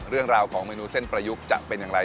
เรื่องราวของเมนูเส้นประยุกต์จะเป็นอย่างไร